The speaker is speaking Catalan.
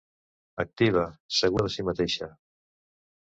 Activa, segura de si mateixa.